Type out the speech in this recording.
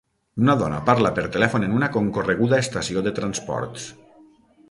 Una dona parla per telèfon en una concorreguda estació de transports.